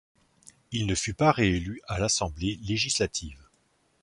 Il ne fut pas réélu à l'Assemblée législative.